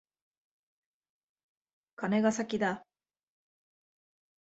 カネが先だ。